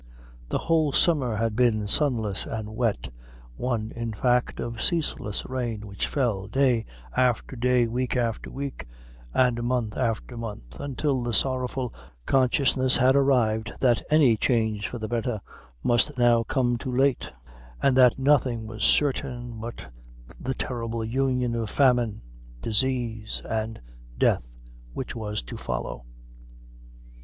The whole summer had been sunless and wet one, in fact, of ceaseless rain which fell, day after day, week after week, and month after month, until the sorrowful consciousness had arrived that any change for the better must now come too late, and that nothing was certain but the terrible union of famine, disease, and death which was to follow.